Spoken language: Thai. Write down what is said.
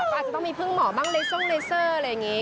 ก็อาจจะต้องมีพึ่งหมอบ้างในทรงเลเซอร์อะไรอย่างนี้